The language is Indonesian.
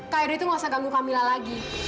kak edo itu gak usah ganggu kamila lagi